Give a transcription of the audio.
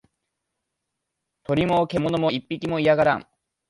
鳥も獣も一匹も居やがらん